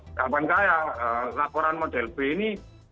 nah apakah ya laporan model b ini